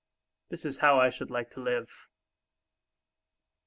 This is how I should like to live!"